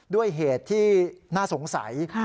ด้วยเหตุที่น่าสงสัย